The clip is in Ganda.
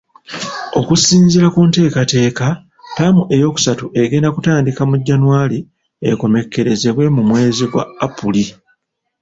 Okusinziira ku nteekateeka, ttaamu eyookusatu egenda kutandika mu Janwali ekomekerezebwa mu mwezi gwa Apuli.